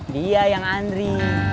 dia yang andri